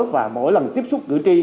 và mỗi lần tiếp xúc cử tri